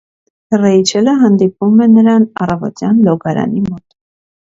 Ռեյչելը հանդիպում է նրան առավոտյան լոգարանի մոտ։